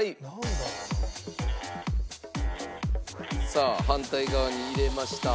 さあ反対側に入れました。